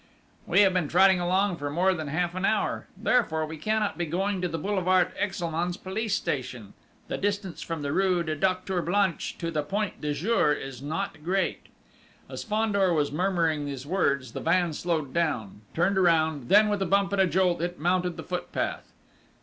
"We have been trotting along for more than half an hour; therefore we cannot be going to the boulevard Exelmans police station ... the distance from the rue du Docteur Blanche to the Point du Jour is not great...." As Fandor was murmuring these words, the van slowed down, turned round; then, with a bump and a jolt, it mounted the footpath.